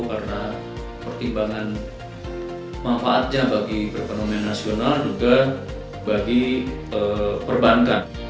karena pertimbangan manfaatnya bagi perpanduan nasional dan juga bagi perbankan